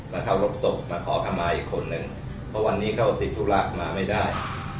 มาข้าวมาขอคำอีกคนนึงเพราะวันนี้เขาติดตุรัติมาไม่ได้